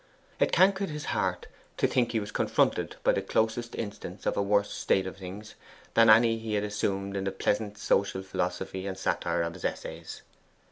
It cankered his heart to think he was confronted by the closest instance of a worse state of things than any he had assumed in the pleasant social philosophy and satire of his essays.